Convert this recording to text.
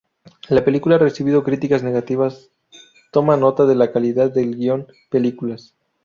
La película ha recibido críticas negativas toma nota de la calidad del guion películas.